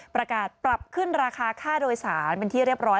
ประกาศปรับขึ้นราคาค่าโดยสารเป็นที่เรียบร้อย